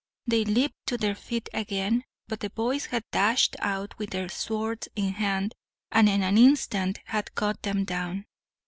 They leaped to their feet again, but the boys had dashed out with their swords in hand, and in an instant had cut them down.